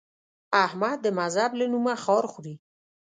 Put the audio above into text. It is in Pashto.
احمد د مذهب له نومه خار خوري.